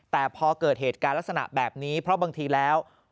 แต่พอเกิดเหตุการณ์ลักษณะแบบนี้เพราะบางทีแล้ว